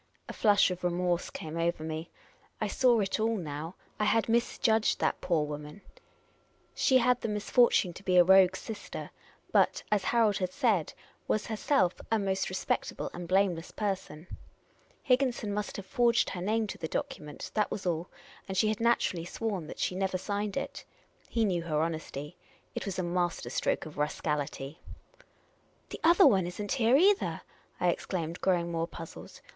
A flush of remorse came over me. I saw it all now. I had misjudged that poor woman ! She had the misfortune VICTOKY. The Unprofessional Detective 33 1 to be a rogue's sister, but, as Harold had said, was herself a most respectable and blameless person. Higginson must have forged her name to the document ; that was all ; and she had naturallj' sworn that she never signed it. He knew her honesty. It was a master stroke of rascality. " The other one is n't here, either," I exclaimed, growing more puzzled.